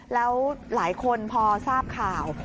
แล้วหลายคนพอทราบข่าว